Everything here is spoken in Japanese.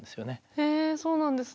へぇそうなんですね。